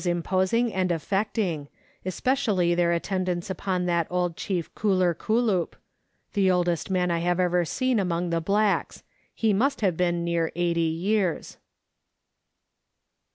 imposing and affecting, especially their attendance upon that old chief Kuller Kullup, the oldest man I have ever seen among the blacks ; he must have been near 80 years.